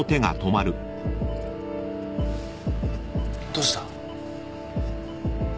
どうした？